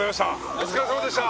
お疲れさまでした。